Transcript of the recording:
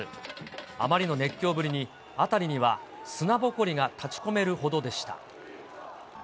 あまりの熱狂ぶりに辺りには砂ぼこりが立ち込めるほどでした。